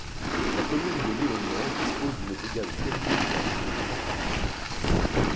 La commune de Léognan dispose d'une brigade territoriale de gendarmerie.